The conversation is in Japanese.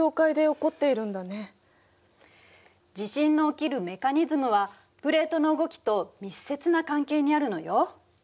地震の起きるメカニズムはプレートの動きと密接な関係にあるのよ。